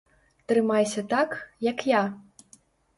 Трымайся так, як я!